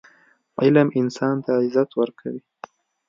علم انسان ته عزت ورکوي.